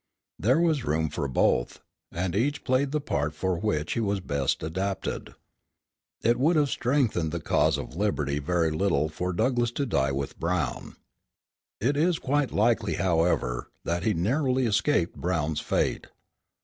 There was room for both, and each played the part for which he was best adapted. It would have strengthened the cause of liberty very little for Douglass to die with Brown. It is quite likely, however, that he narrowly escaped Brown's fate.